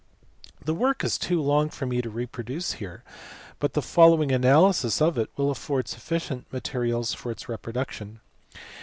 The work is too long for me to reproduce here, but the following analysis of it will afford sufficient materials for its reproduction.